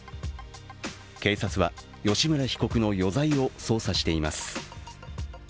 警察は、吉村被告の余罪を捜査しています。